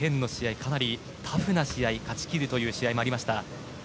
かなりタフな試合勝ち切る試合というのもありました。